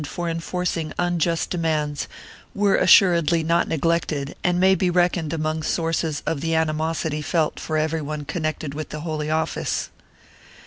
536 POPULAR HOSTILITY [BOOK II for enforcing unjust demands were assuredly not neglected and may be reckoned among the sources of the animosity felt for everyone connected with the Holy Office.